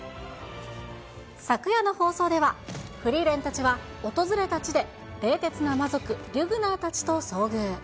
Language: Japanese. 昨夜の放送では、フリーレンたちは訪れた地で、冷徹な魔族、リュグナーたちと遭遇。